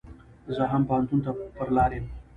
زه هم پو هنتون ته پر لار يم.